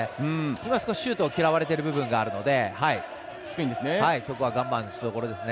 今はシュートを嫌われているところがあるのでそこは我慢するところですね。